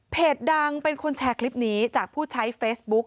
ดังเป็นคนแชร์คลิปนี้จากผู้ใช้เฟซบุ๊ก